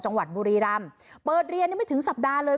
จังหวัดบุรีรำเปิดเรียนยังไม่ถึงสัปดาห์เลย